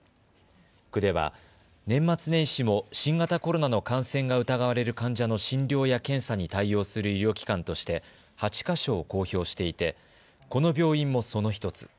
区では年末年始も新型コロナの感染が疑われる患者の診療や検査に対応する医療機関として８か所を公表していてこの病院もその１つ。